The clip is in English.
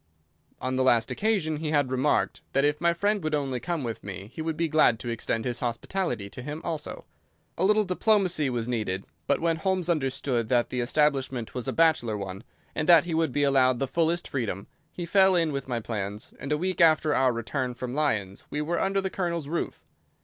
On the last occasion he had remarked that if my friend would only come with me he would be glad to extend his hospitality to him also. A little diplomacy was needed, but when Holmes understood that the establishment was a bachelor one, and that he would be allowed the fullest freedom, he fell in with my plans and a week after our return from Lyons we were under the Colonel's roof.